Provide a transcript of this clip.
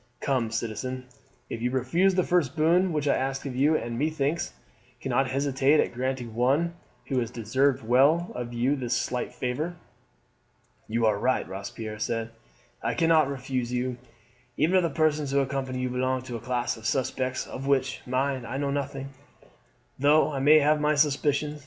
Come, citizen, you refused the first boon which I asked you, and, methinks, cannot hesitate at granting one who has deserved well of you this slight favour." "You are right," Robespierre said. "I cannot refuse you, even if the persons who accompany you belong to the class of suspects, of which, mind, I know nothing, though I may have my suspicions.